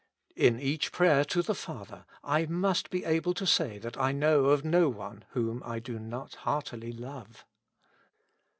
In each prayer to the Father I must be able to say that I know of no one whom I do not heartily love.